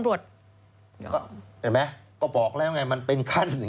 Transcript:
เห็นไหมก็บอกแล้วไงมันเป็นคันอย่างเนี่ย